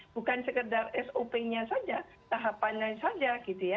bukan sekedar sop nya saja tahapannya saja gitu ya